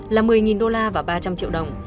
là một mươi đô la và ba trăm linh triệu đồng